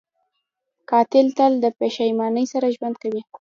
قاتل تل د پښېمانۍ سره ژوند کوي